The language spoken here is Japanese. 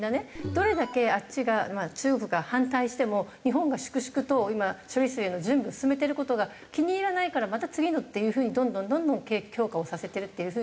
どれだけあっちが中国が反対しても日本が粛々と今処理水への準備を進めてる事が気に入らないからまた次のっていう風にどんどんどんどん強化をさせてるっていう風に。